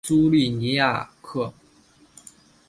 苏利尼亚克。